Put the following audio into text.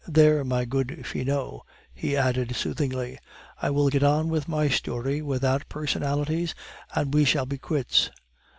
There, my good Finot," he added soothingly, "I will get on with my story without personalities, and we shall be quits."